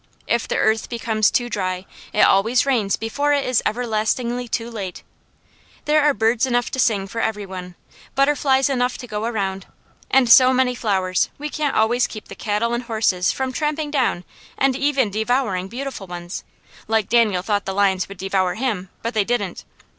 If the earth becomes too dry, it always rains before it is everlastingly too late. There are birds enough to sing for every one, butterflies enough to go around, and so many flowers we can't always keep the cattle and horses from tramping down and even devouring beautiful ones, like Daniel thought the lions would devour him but they didn't.